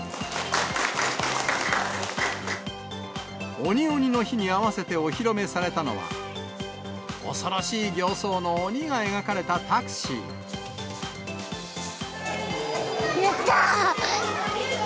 鬼鬼の日に合わせてお披露目されたのは、恐ろしい形相の鬼が描かよっしゃー。